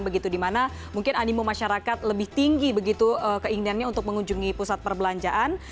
begitu di mana mungkin animum masyarakat lebih tinggi keinginannya untuk mengunjungi pusat perbelanjaan